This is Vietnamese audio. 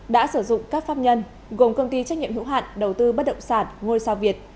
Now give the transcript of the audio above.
đã sử dụng các pháp nhân gồm công ty trách nhiệm hữu hạn đầu tư bất động sản ngôi sao việt